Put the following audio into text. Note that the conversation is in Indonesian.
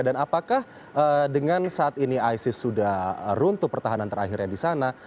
dan apakah dengan saat ini isis sudah runtuh pertahanan terakhir yang di sana